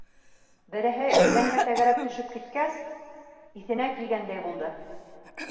Береһе иҙәнгә тәгәрәп төшөп киткәс, иҫенә килгәндәй булды.